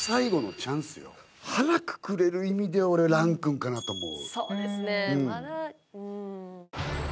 腹くくれる意味で俺乱君かなと思う。